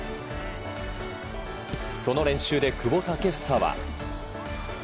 その練習で久保建英は。